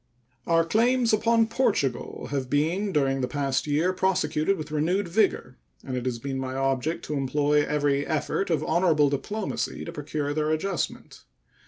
Our claims upon Portugal have been during the past year prosecuted with renewed vigor, and it has been my object to employ every effort of honorable diplomacy to procure their adjustment.